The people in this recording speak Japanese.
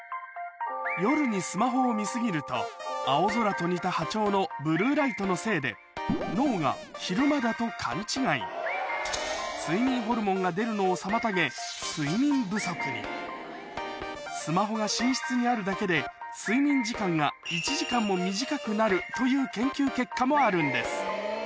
夜にスマホを見過ぎると青空と似た波長のブルーライトのせいで脳が昼間だと勘違い睡眠ホルモンが出るのを妨げ睡眠不足にスマホが寝室にあるだけで睡眠時間が１時間も短くなるという研究結果もあるんです